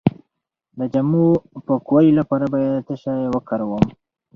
د جامو د پاکوالي لپاره باید څه شی وکاروم؟